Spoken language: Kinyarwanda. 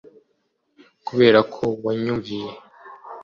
kubera ko wanyumviye